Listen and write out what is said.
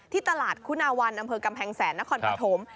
ตลาดคุณาวันอำเภอกำแพงแสนนครปฐม